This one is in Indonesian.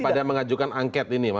daripada mengajukan angket ini